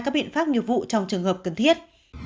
các biện pháp nghiệp vụ trong trường hợp cần thiết